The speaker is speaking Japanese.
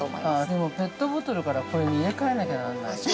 でも、ペットボトルから、これに入れ替えなきゃなんない。